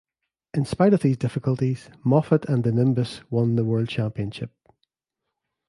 In spite of these difficulties, Moffat and the Nimbus won the World Championship.